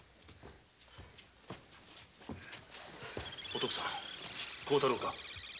お徳さん幸太郎か？